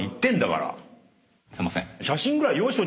「すいません」